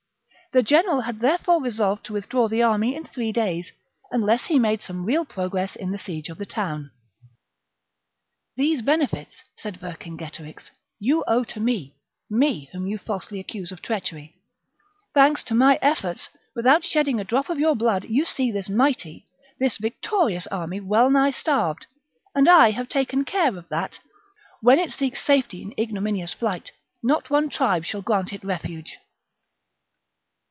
The General had therefore resolved to withdraw the army in three days unless he made some real progress in the siege of the town. " These benefits," said Vercinge torix, "you owe to me, — me, whom you falsely accuse of treachery : thanks to my efforts, without shedding a drop of your blood you see this mighty, this victorious army wellnigh starved ; and I have taken care that, when it seeks safety in ignominious flight, not one tribe shall grant it refuge."